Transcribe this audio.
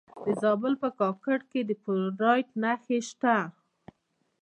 د زابل په کاکړ کې د فلورایټ نښې شته.